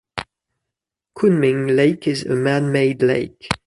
Kunming Lake is a man-made lake.